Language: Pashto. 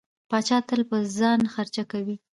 پاچا تل په ځان خرچه کوي.